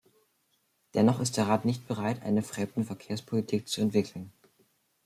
Dennoch ist der Rat nicht bereit, eine Fremdenverkehrspolitik zu entwickeln.